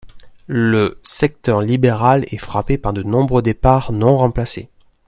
Le secteur libéral est frappé par de nombreux départs non remplacés.